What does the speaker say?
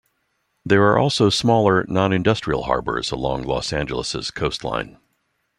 There are also smaller, non-industrial harbors along Los Angeles' coastline.